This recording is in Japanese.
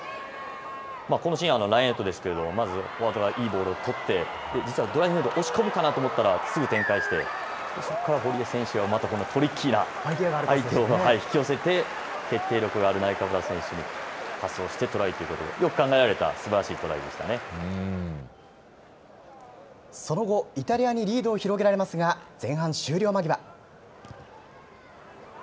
このシーン、ラインアウトですけれども、まずフォワードがいいボールを取って、実は、押し込むかなと思ったら、すぐ展開して、そこからこの堀江選手がトリッキーな相手を引き寄せて、決定力があるナイカブラ選手にパスをしてトライという、よく考えられたすその後、イタリアにリードを広げられますが、前半終了間際。